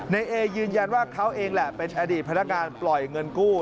เอยืนยันว่าเขาเองแหละเป็นอดีตพนักการปล่อยเงินกู้